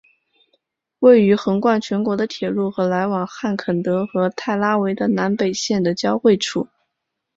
位于横贯全国的铁路和来往汉肯德和泰拉维的南北线的交汇处。